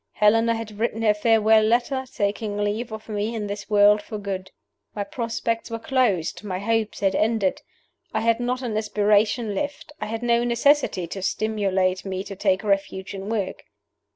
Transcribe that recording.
Helena had written her farewell letter, taking leave of me in this world for good. My prospects were closed; my hopes had ended. I had not an aspiration left; I had no necessity to stimulate me to take refuge in work.